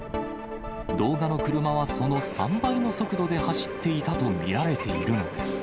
動画の車はその３倍の速度で走っていたと見られているのです。